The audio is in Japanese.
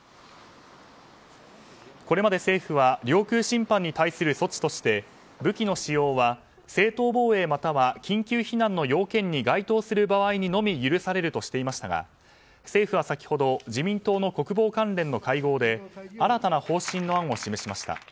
これまで政府は領空侵犯に対する措置として武器の使用は正当防衛または緊急避難の要件に該当する場合にのみ許されるとしていましたが政府は先ほど自民党の国防関連の会合で新たな方針の案を示しました。